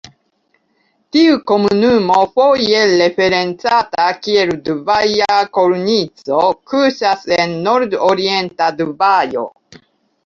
Tiu komunumo, foje referencata kiel Dubaja Kornico, kuŝas en nordorienta Dubajo.